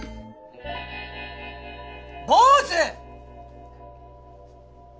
坊主！